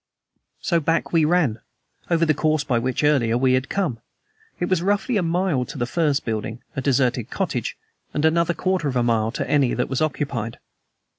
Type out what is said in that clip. So back we ran, over the course by which, earlier, we had come. It was, roughly, a mile to the first building a deserted cottage and another quarter of a mile to any that was occupied.